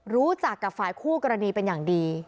รู้จักกับฝ่ายคู่กรณีเป็นอย่างดี